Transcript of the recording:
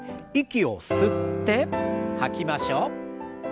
息を吸って吐きましょう。